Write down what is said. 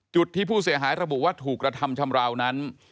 จุดที่ผู้เสียหายระบุว่าถูกกระทำชำราวนั้น